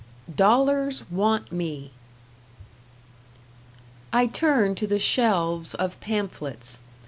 #"Dollars Want Me"# I turn to the shelves of pamphlets.